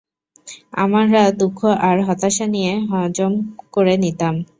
আমরা দুঃখ আর হতাশার নিয়ে হজম করে নিতাম।